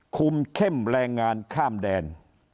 คุมเข้มแรงงานข้ามแดน